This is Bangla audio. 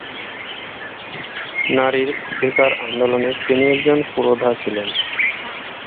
নারীর অধিকার আন্দোলনের তিনি একজন পুরোধা ছিলেন।